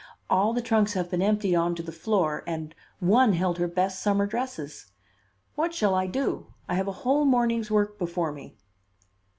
All the trunks have been emptied on to the floor and one held her best summer dresses. What shall I do? I have a whole morning's work before me."